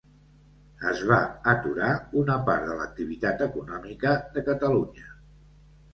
Es va aturar una part de l’activitat econòmica de Catalunya.